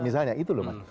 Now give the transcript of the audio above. misalnya itu loh pak